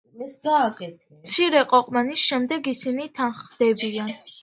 მცირე ყოყმანის შემდეგ ისინი თანხმდებიან.